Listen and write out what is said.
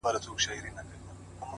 سپوږميه کړنگ وهه راخېژه وايم ـ